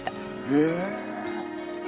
へえ。